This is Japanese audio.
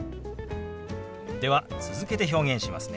では続けて表現しますね。